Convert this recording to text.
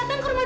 pak rt pak rt